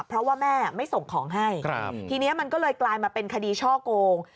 เพราะว่าแม่ไม่ส่งของให้ทีนี้มันก็เลยกลายมาเป็นคดีช่อโกง